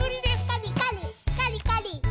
カリカリカリカリ。